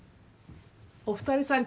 お二人さん